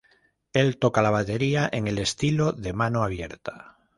Él toca la batería en el estilo de mano abierta.